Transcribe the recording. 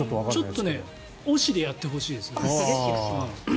ちょっと「おし」でやってほしい。